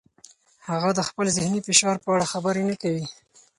هغه د خپل ذهني فشار په اړه خبرې نه کوي.